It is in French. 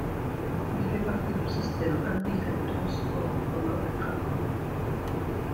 Il fait partie du Système intégré de transports en commun de Cracovie.